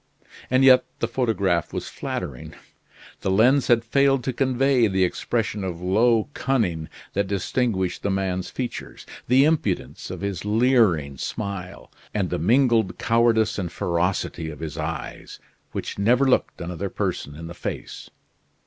And yet the photograph was flattering. The lens had failed to convey the expression of low cunning that distinguished the man's features, the impudence of his leering smile, and the mingled cowardice and ferocity of his eyes, which never looked another person in the face.